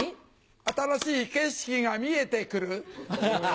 新しい景色が見えて来る。